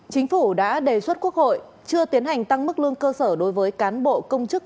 chính phủ đã đề xuất quốc hội chưa tiến hành tăng mức lương cơ sở đối với cán bộ công chức